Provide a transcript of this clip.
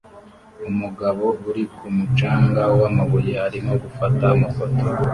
Umugabo uri ku mucanga wamabuye arimo gufata amafoto